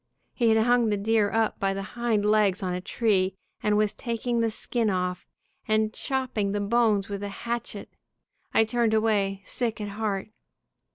He had hung the deer up by the hind legs on a tree, and was taking the skin off, and chop ping the bones with a hatchet. I turned away, sick at heart.